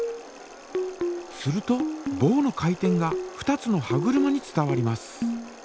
するとぼうの回転が２つの歯車に伝わります。